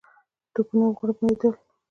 توپونه وغړومبېدل.